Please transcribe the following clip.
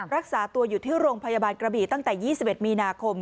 รักษาตัวอยู่ที่โรงพยาบาลกระบี่ตั้งแต่๒๑มีนาคม